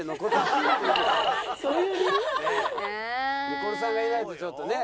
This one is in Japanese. ニコルさんがいないとちょっとね。